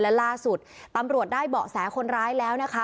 และล่าสุดตำรวจได้เบาะแสคนร้ายแล้วนะคะ